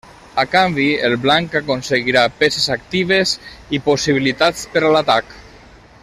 A canvi, el blanc aconseguirà peces actives i possibilitats per a l'atac.